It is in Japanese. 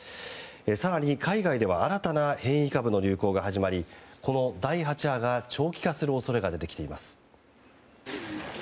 更に、海外では新たな変異株の流行が始まりこの第８波が長期化する恐れが出てきています。